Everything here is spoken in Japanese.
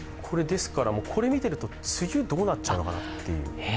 これ見てると、梅雨どうなっちゃうのかなという。